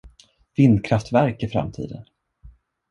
Vindkraftverk är framtiden!